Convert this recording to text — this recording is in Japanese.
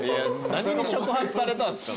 何に触発されたんですか。